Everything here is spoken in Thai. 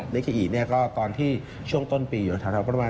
นิเคอี๋ตอนที่ช่วงต้นปีอยู่ทางประมาณ๑๘๐๐๐๑๙๐๐๐